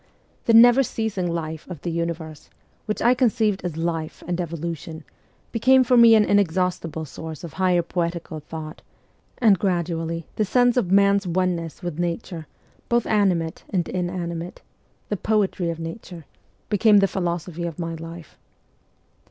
The never ceasing life of the universe, which I conceived as life and evolution, became for me an inexhaustible source of higher poetical thought, and gradually the sense of man's oneness with Nature, both animate and inanimate the poetry of Nature became the philosophy of my life.